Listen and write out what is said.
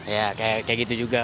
ya kayak gitu juga